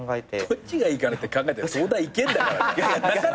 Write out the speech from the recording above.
どっちがいいかなって考えて東大行けんだからな。